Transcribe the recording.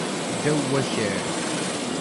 Ddaw wakal.